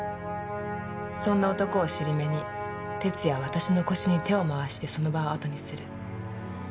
そんな男をしり目に哲弥は私の腰に手を回してその場をあとにする。